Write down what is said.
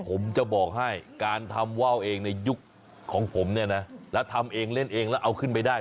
ผมจะบอกให้การทำว่าวเองในยุคของผมเนี่ยนะแล้วทำเองเล่นเองแล้วเอาขึ้นไปได้